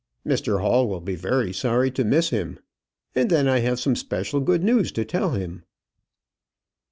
"Mr Hall will be very sorry to miss him. And then I have some special good news to tell him."